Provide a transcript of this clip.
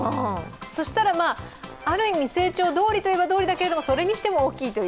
そうしたら、ある意味、成長どおりとはいえばどおりだけど、それにしても大きいという。